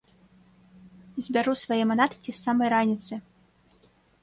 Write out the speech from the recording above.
Збяру свае манаткі з самай раніцы.